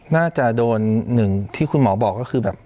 น่าจะโดนหนึ่งที่คุณหมอบอกก็คือแบบ